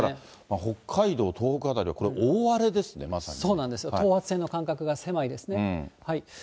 ですから、北海道、東北辺りは大荒れですね、そうなんですよ、等圧線の感覚が狭いですね。